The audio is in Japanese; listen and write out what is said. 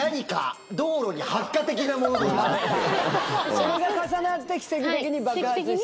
それが重なって奇跡的に爆発した。